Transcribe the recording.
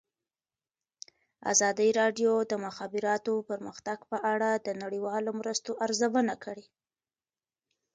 ازادي راډیو د د مخابراتو پرمختګ په اړه د نړیوالو مرستو ارزونه کړې.